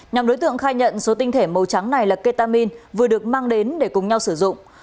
nhóm đối tượng khai nhận số tinh thể màu trắng này là ketamin vừa được mang đến để cùng nhau sử dụng